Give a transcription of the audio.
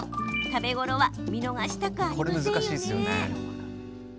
食べ頃は見逃したくありませんよね。